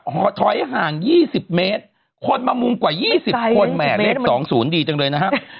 ถอยห่าง๒๐เมตรคนมามุมกว่า๒๐คนแหม่เลข๒๐ดีจังเลยนะครับ